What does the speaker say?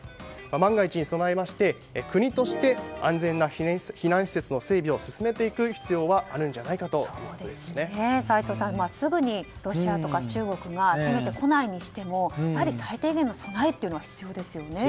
万が一に備えまして国として安全な避難施設の整備を進めていく必要は齋藤さんすぐにロシアとか中国が攻めてこないにしても最低限の備えは必要ですよね。